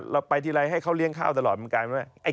ไปทีไรให้เขาเลี้ยงข้าวตลอดเหมือนกัน